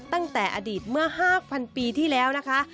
ตั้งแต่อดีตเมื่อ๕๐๐ปีที่แล้วนะคะ